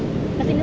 iya kesini lagi